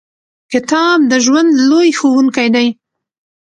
• کتاب د ژوند لوی ښوونکی دی.